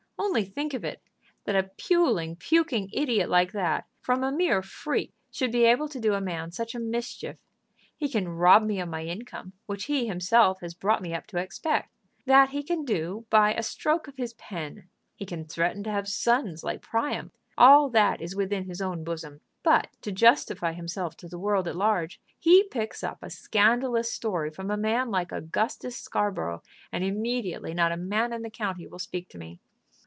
Only think of it, that a puling, puking idiot like that, from a mere freak, should be able to do a man such a mischief! He can rob me of my income, which he himself has brought me up to expect. That he can do by a stroke of his pen. He can threaten to have sons like Priam. All that is within his own bosom. But to justify himself to the world at large, he picks up a scandalous story from a man like Augustus Scarborough, and immediately not a man in the county will speak to me.